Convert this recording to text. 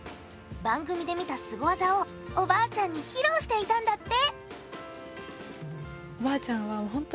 番組で見たスゴ技をおばあちゃんに披露していたんだって！